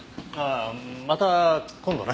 あまた今度な。